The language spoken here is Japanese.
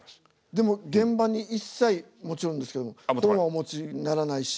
でも現場に一切もちろんですけれども本はお持ちにならないし。